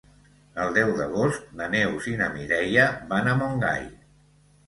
El deu d'agost na Neus i na Mireia van a Montgai.